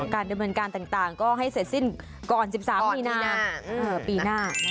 การดำเนินการต่างก็ให้เสร็จสิ้นก่อน๑๓มีนาปีหน้า